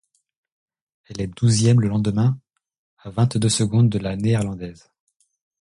Elle est douzième le lendemain, à vingt-deux secondes de la Néerlandaise.